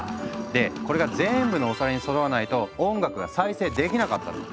でこれが全部のお皿にそろわないと音楽が再生できなかったの。